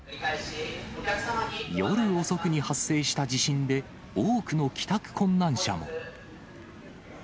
夜遅くに発生した地震で、多くの帰宅困難者も。